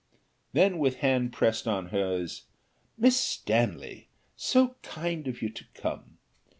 Then with hand pressed on hers, "Miss Stanley, so kind of you to come.